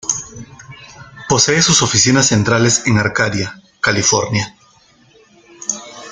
Posee sus oficinas centrales en Arcadia, California.